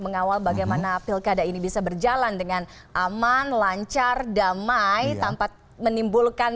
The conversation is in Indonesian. mengawal bagaimana pilkada ini bisa berjalan dengan aman lancar damai tanpa menimbulkan